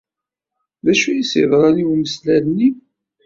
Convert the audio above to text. D acu ay as-yeḍran i umeslal-nni?